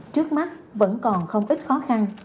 trước mắt vẫn còn không ít khó khăn